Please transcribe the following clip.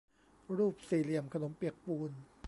รูปสี่เหลี่ยมขนมเปียกปูน